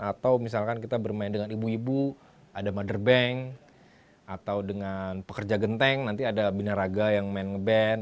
atau misalkan kita bermain dengan ibu ibu ada mother bank atau dengan pekerja genteng nanti ada binaraga yang main nge band